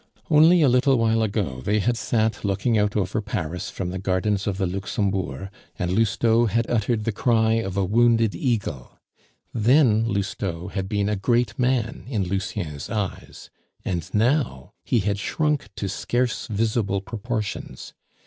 Only a little while ago they had sat looking out over Paris from the Gardens of the Luxembourg, and Lousteau had uttered the cry of a wounded eagle; then Lousteau had been a great man in Lucien's eyes, and now he had shrunk to scarce visible proportions.